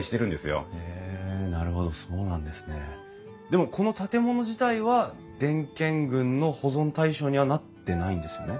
でもこの建物自体は伝建群の保存対象にはなってないんですよね？